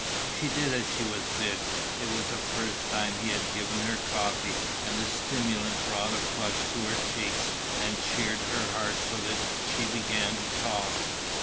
She did as she was bid. It was the first time he had given her coffee and the stimulant brought a flush to her cheeks and cheered her heart so that she began to talk.